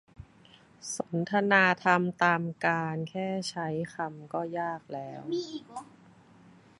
สนทนาธรรมตามกาล แค่ใช้คำก็ยากแล้ว